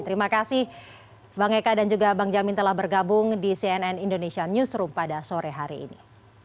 terima kasih bang eka dan juga bang jamin telah bergabung di cnn indonesia newsroom pada sore hari ini